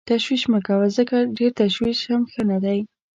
تشویش مه کوه ځکه ډېر تشویش هم ښه نه دی.